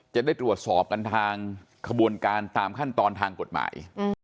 จะได้ตรวจสอบกันทางขบวนการตามขั้นตอนทางกฎหมาย